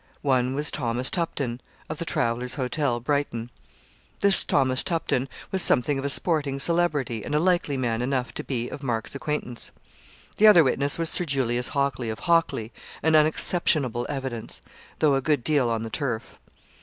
One was Thomas Tupton, of the Travellers' Hotel, Brighton. This Thomas Tupton was something of a sporting celebrity, and a likely man enough to be of Mark's acquaintance. The other witness was Sir Julius Hockley, of Hockley, an unexceptionable evidence, though a good deal on the turf.